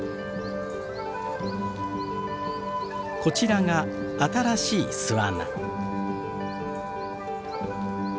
こちらが新しい巣穴。